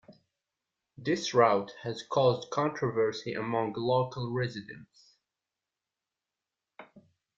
This route has caused controversy amongst local residents.